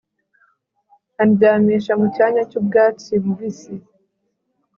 andyamisha mu cyanya cy'ubwatsi bubisi